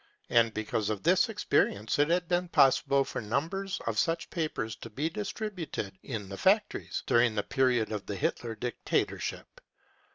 And because of this experience, it has been possible for numbers of such papers to be distributed in the factories during the period of the Hitler dictatorship.